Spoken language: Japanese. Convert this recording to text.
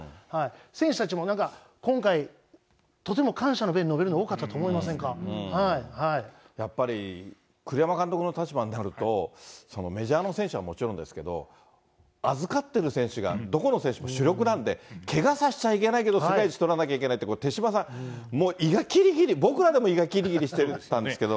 選手たちもなんか、今回、とても感謝の弁、述べるの、多かったとやっぱり栗山監督の立場になると、メジャーの選手はもちろんですけれども、預かってる選手が、どこの選手も主力なんで、けがさせちゃいけないけど世界一取らなきゃいけないっていう手嶋さん、もう胃がきりきり、僕らでも胃がきりきりしてたんですけど。